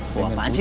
buah apaan sih ini